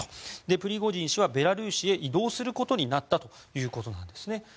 プリゴジン氏はベラルーシへ移動することになったということです。